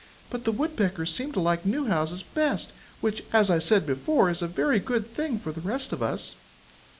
But the Woodpeckers seem to like new houses best, which, as I said before, is a very good thing for the rest of us."